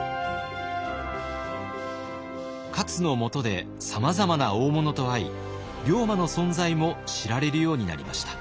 勝のもとでさまざまな大物と会い龍馬の存在も知られるようになりました。